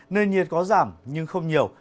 nền nhiệt có giảm nhưng không nhiều